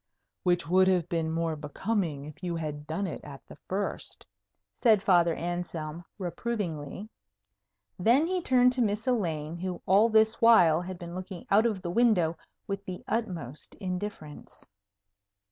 "Which would have been more becoming if you had done it at the first," said Father Anselm, reprovingly. Then he turned to Miss Elaine, who all this while had been looking out of the window with the utmost indifference.